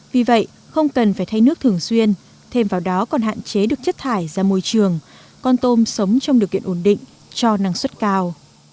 vì vậy không cần phải thay nước thường xuyên thêm vào đó còn hạn chế được chất thải ra môi trường con tôm sống trong điều kiện ổn định cho năng suất cao